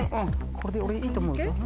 これで俺いいと思うぞ。